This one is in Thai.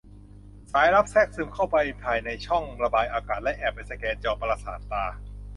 สายลับแทรกซึมเข้าไปภายในช่องระบายอากาศและแอบไปสแกนจอประสาทตา